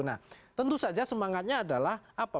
nah tentu saja semangatnya adalah apa